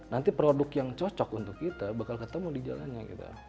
nanti produk yang cocok untuk kita bakal ketemu di jalannya gitu